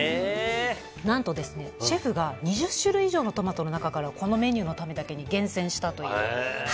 何と、シェフが２０種類以上のトマトの中からこのメニューのためだけに厳選したという。